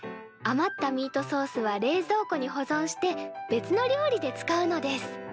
余ったミートソースは冷蔵庫に保存して別の料理で使うのです。